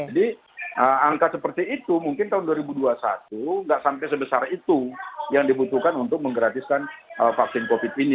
jadi angka seperti itu mungkin tahun dua ribu dua puluh satu nggak sampai sebesar itu yang dibutuhkan untuk menggratiskan vaksin covid ini